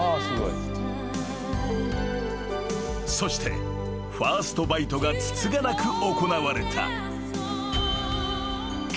［そしてファーストバイトがつつがなく行われた］